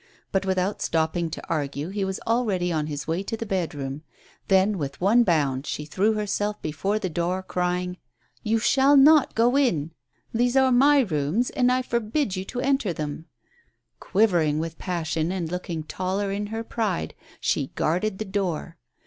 Bat, without stopping to argue, he was already on his way to the bed room. Then, with one bound, she threw herself before the door, crying : "You shall not go in! These are my rooms, and I forbid you to enter them 1 " Quivering with passion and looking taller in her pride, she guarded the door.